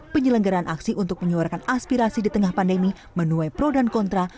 penyelenggaraan aksi untuk menyuarakan aspirasi di tengah pandemi menuai pro dan kontra